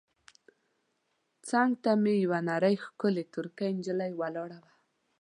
څنګ ته مې یوه نرۍ ښکلې ترکۍ نجلۍ ولاړه وه.